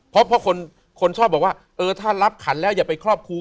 เพราะคนชอบบอกว่าเออถ้ารับขันแล้วอย่าไปครอบครู